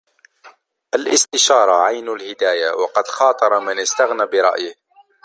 الِاسْتِشَارَةُ عَيْنُ الْهِدَايَةِ وَقَدْ خَاطَرَ مَنْ اسْتَغْنَى بِرَأْيِهِ